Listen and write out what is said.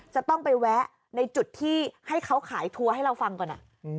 จะต้องไปแวะในจุดที่ให้เขาขายทัวร์ให้เราฟังก่อน